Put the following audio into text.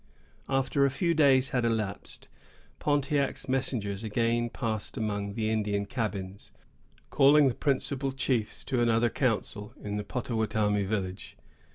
After a few days had elapsed, Pontiac's messengers again passed among the Indian cabins, calling the principal chiefs to another council, in the Pottawattamie village.